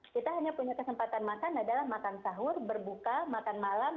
kita hanya punya kesempatan makan adalah makan sahur berbuka makan malam